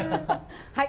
はい。